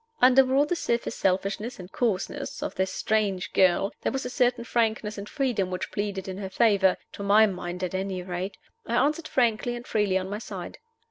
Under all the surface selfishness and coarseness of this strange girl there was a certain frankness and freedom which pleaded in her favor to my mind, at any rate. I answered frankly and freely on my side.